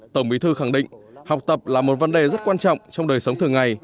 tổng bí thư khẳng định học tập là một vấn đề rất quan trọng trong đời sống thường ngày